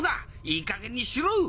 いいかげんにしろ！